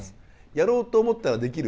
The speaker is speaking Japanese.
やろうと思ったらできる。